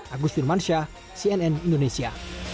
agus firman syah cnn indonesia